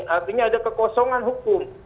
artinya ada kekosongan hukum